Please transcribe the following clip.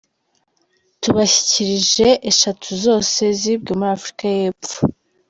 Tubashyikirije eshatu zose zibwe muri Afurika y’Epfo.